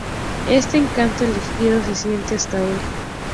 Este encanto elegido se siente hasta hoy.